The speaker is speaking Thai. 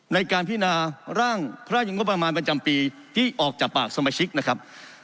พินาร่างพระราชงบประมาณประจำปีที่ออกจากปากสมาชิกนะครับ